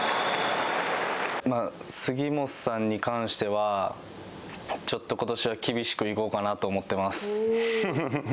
杉本さんに関しては、ちょっと、ことしは厳しくいこうかなと思ってます。